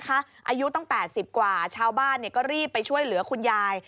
อายุตั้ง๘๐กว่าชาวบ้านก็รีบไปช่วยเหลือคุณยาย